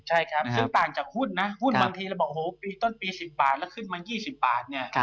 ซึ่งต่างจากหุ้นนะหุ้นบางทีเราบอกต้นปี๑๐บาทแล้วขึ้นมา๒๐บาท